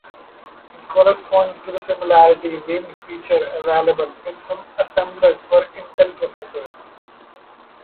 It corresponds to the similarly named feature available in some assemblers for Intel processors.